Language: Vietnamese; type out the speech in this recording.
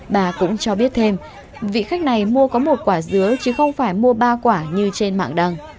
bà cũng cho biết thêm vị khách này mua có một quả dứa chứ không phải mua ba quả như trên mạng đăng